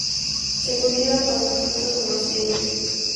Se cultiva por sus frutos comestibles.